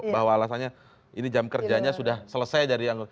bahwa alasannya ini jam kerjanya sudah selesai